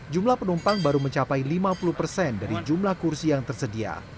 jumlah penumpang baru mencapai lima puluh persen dari jumlah kursi yang tersedia